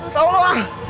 tahu lu ah